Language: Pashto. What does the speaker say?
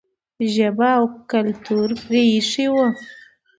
ژبه او کلتور پرې ایښی و.